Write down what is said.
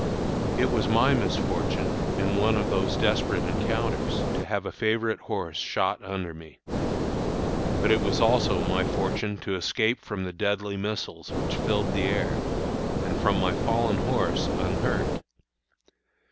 It was my misfortune, in one of those desperate encounters, to have a favorite horse shot under me. But it was also my fortune to escape from the deadly missiles which filled the air, and from my fallen horse, unhurt.